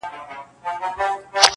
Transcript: زما د ژوند د كرسمې خبري.